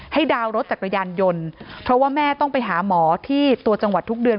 ดาวน์รถจักรยานยนต์เพราะว่าแม่ต้องไปหาหมอที่ตัวจังหวัดทุกเดือน